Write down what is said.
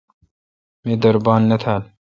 می در بان نہ تھال۔